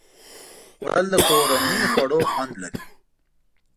خوړل د کورني خواړو خوند لري